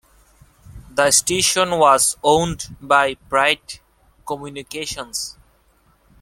The station was owned by Pride Communications.